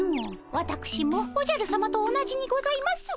わたくしもおじゃるさまと同じにございます。